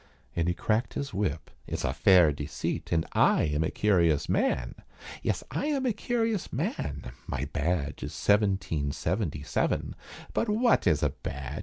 And he cracked his whip. "It's a fair deceit And I am a curious man Yes I am a curious man, my badge Is seventeen seventy seven, But wot is a badge?